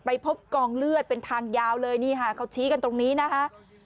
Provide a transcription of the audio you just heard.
พบกองเลือดเป็นทางยาวเลยนี่ค่ะเขาชี้กันตรงนี้นะคะ